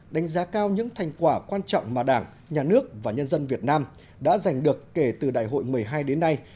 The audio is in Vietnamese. đánh giá cao những thành quả quan trọng mà đảng nhà nước và nhân dân việt nam đã giành được kể từ đại hội một mươi hai đến nay